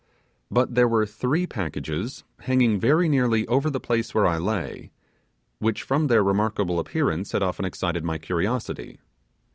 But there were three packages hanging very nearly over the place where I lay, which from their remarkable appearance had often excited my curiosity.